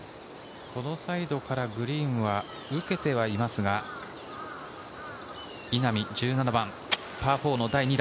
このサイドからグリーンは受けていますが、稲見、１７番、パー４の第２打。